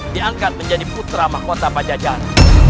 diangkat menjadi putra mahkota pajajaran